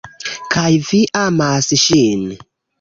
Kaj vi amas ŝin?